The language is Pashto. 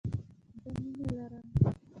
زه مينه لرم